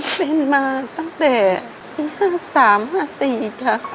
เป็นมาตั้งแต่ที่ก็สามห้าสี่ค่ะ